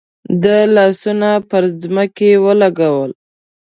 ده لاسونه پر ځمکه ولګول.